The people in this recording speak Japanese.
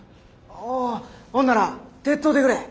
ああああほんなら手伝うてくれ。